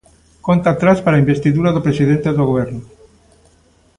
Conta atrás para a investidura do presidente do Goberno.